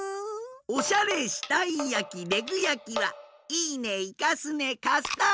おしゃれしたいやきレグやきはいいねいかすねカスタード！